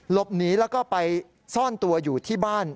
หลบหนีแล้วก็ไปซ่อนตัวอยู่ที่บ้าน